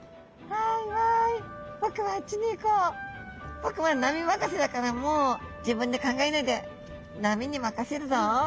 僕は波任せだからもう自分で考えないで波に任せるぞ。